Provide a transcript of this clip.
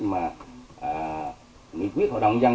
mà nghị quyết hội đồng dân